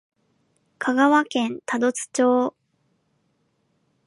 香川県多度津町